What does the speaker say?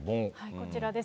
こちらです。